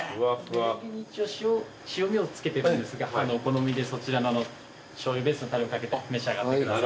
メレンゲに一応塩味を付けてるんですがお好みでそちらのしょうゆベースのたれを掛けて召し上がってください。